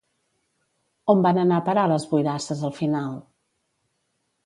On van anar a parar les boirasses al final?